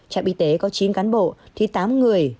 trạm y tế có chín cán bộ thì tám người